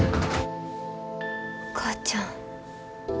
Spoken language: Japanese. お母ちゃん。